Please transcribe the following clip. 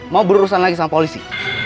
mau berurusan lagi sama polisi